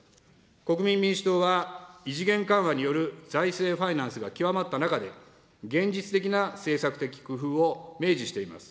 国民民主党は異次元緩和による財政ファイナンスが極まった中で、現実的な政策的工夫を明示しています。